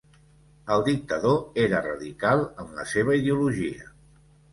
El dictador era radical en la seva ideologia.